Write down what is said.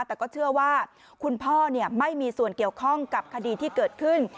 แต่ก็เชื่อว่าคุณพ่อไม่มีส่วนเกี่ยวข้องกับคดีที่เกิดขึ้น